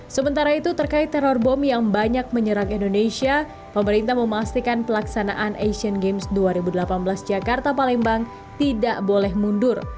sementara itu terkait teror bom yang banyak menyerang indonesia pemerintah memastikan pelaksanaan asian games dua ribu delapan belas jakarta palembang tidak boleh mundur